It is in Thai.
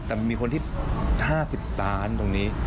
แต่มีคนที่สร้างตำแหน่ง๕๐ล้านไต้ตรงนี้